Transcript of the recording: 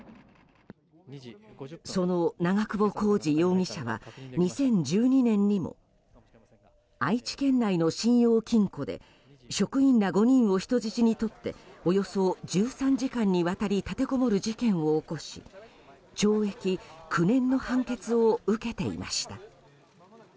その長久保浩二容疑者は２０１２年にも愛知県内の信用金庫で職員ら５人を人質にとっておよそ１３時間にわたり立てこもる事件を起こし懲役９年の判決を受けていました。